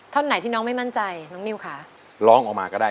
ไหนที่น้องไม่มั่นใจน้องนิวค่ะร้องออกมาก็ได้